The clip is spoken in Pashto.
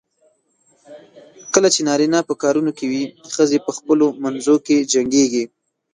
کله چې نارینه په کارونو کې وي، ښځې په خپلو منځو کې جنګېږي.